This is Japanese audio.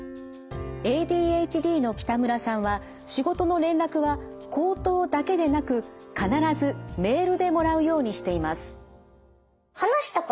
ＡＤＨＤの北村さんは仕事の連絡は口頭だけでなく必ずメールでもらうようにしています。